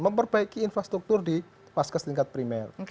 memperbaiki infrastruktur di paskes tingkat primer